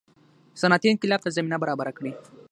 صنعتي انقلاب ته زمینه برابره کړي.